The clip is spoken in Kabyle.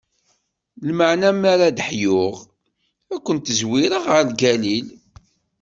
Lameɛna mi ara ad d-ḥyuɣ, ad ken-zwireɣ ɣer Galil.